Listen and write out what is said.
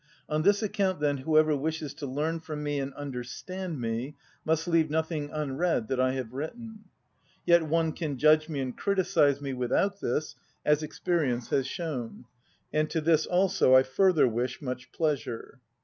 On this account, then, whoever wishes to learn from me and understand me must leave nothing unread that I have written. Yet one can judge me and criticise me without this, as experience has shown; and to this also I further wish much pleasure.